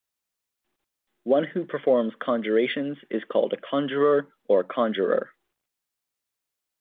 One who performs conjurations is called a conjurer or conjuror.